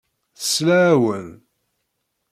Tesla-awen.